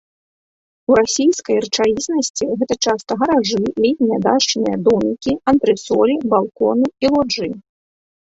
У расійскай рэчаіснасці гэта часта гаражы, летнія дачныя домікі, антрэсолі, балконы і лоджыі.